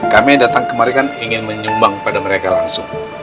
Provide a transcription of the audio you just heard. kami datang kemari kan ingin menyumbang pada mereka langsung